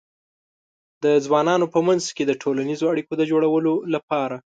د ځوانانو په منځ کې د ټولنیزو اړیکو د جوړولو لپاره